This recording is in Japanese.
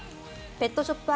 ペットショップ